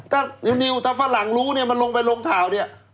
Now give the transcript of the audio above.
ก็อยู่นิ้วถ้าฝรั่งรู้มันลงไปลงทาวด์เนี่ย